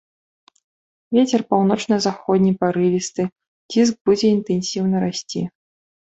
Вецер паўночна-заходні парывісты, ціск будзе інтэнсіўна расці.